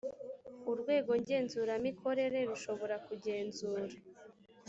urwego ngenzuramikorere rushobora kugenzura